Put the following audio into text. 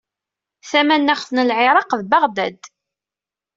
Tamanaɣt n Lɛiraq d Beɣdad.